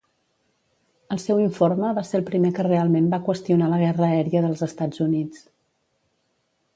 El seu informe va ser el primer que realment va qüestionar la guerra aèria dels Estats Units.